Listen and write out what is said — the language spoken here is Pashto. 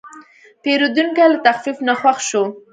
پیرودونکی له تخفیف نه خوښ شو.